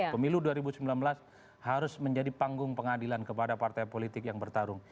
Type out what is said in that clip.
pemilu dua ribu sembilan belas harus menjadi panggung pengadilan kepada partai politik yang bertarung